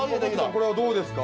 これはどうですか。